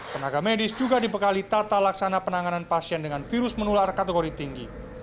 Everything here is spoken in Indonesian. tenaga medis juga dibekali tata laksana penanganan pasien dengan virus menular kategori tinggi